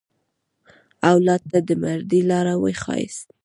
اولاد ته د مردۍ لاره وښیاست.